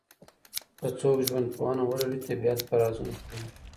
که څوک ژوندپوهنه ولولي، د طبیعت په رازونو پوهیږي.